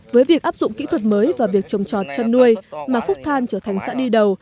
với việc áp dụng kỹ thuật mới và việc trồng trọt chất nuôi mà phúc than trở thành sãn đi đầu